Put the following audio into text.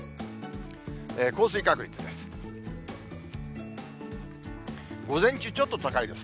降水確率です。